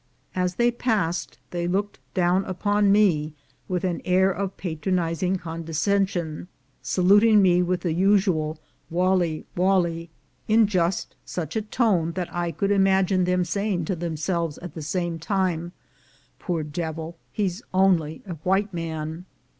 As they passed they looked down upon me with an air of patronizing condescension, saluting me with the usual "wally wally," in just such a tone that I could 296 THE GOLD HUNTERS imagine them saying to themselves at the same time, "Poor devil! he's only a white man."